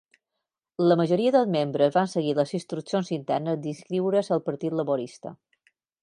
La majoria dels membres van seguir les instruccions internes d'inscriure's al partit laborista.